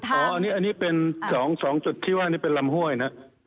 อ๋ออันนี้เป็น๒จุดที่จะเป็นลำภวยนะ